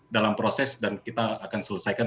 dalam proses dan kita akan selesaikan